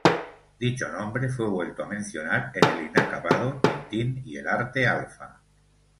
Dicho nombre fue vuelto a mencionar en el inacabado "Tintín y el Arte-Alfa".